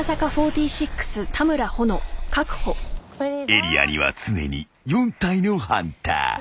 ［エリアには常に４体のハンター］